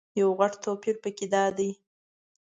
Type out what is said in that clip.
یو غټ توپیر په کې دادی.